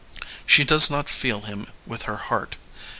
She does not feel him with her heart.